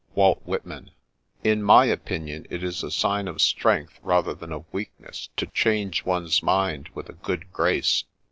'*— ^Walt Whitman. In my opinion it is a sign of strength rather than of weakness, to change one's mind with a good grace.